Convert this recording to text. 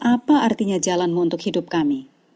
apa artinya jalanmu untuk hidup kami